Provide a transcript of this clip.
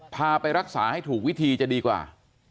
พาไปรักษาให้ถูกวิธีจะดีกว่า